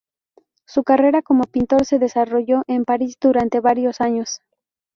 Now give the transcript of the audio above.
Su carrera como pintor se desarrolló en París durante varios años.